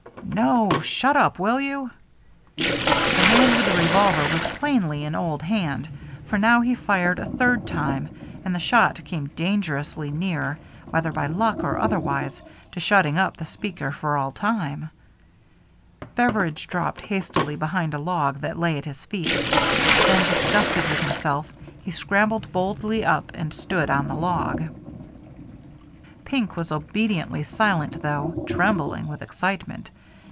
« No. Shut up, will you ?" The man with the revolver was plainly an old hand, for now he fired a third time ; and the shot came dangerously near, whether by luck or otherwise, to shutting up the speaker for all time. Beveridge dropped hastily behind a log that lay at his feet. Then, disgusted with himself, he scrambled boldly up and stood on the log. WHISKEY JIM 361 Pink was obediently silent, though trembling with excitement.